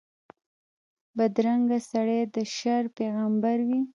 بدرنګه سړی د شر پېغمبر وي